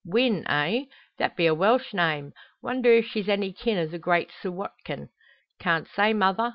"Wynn, eh? That be a Welsh name. Wonder if she's any kin o' the great Sir Watkin." "Can't say, mother.